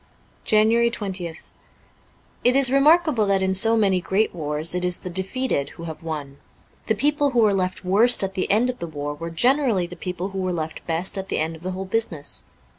* JANUARY 20th IT is remarkable that in so many great wars it is the defeated who have won. The people who were left worst at the end of the war were generally the people who were left best at the end of the whole business.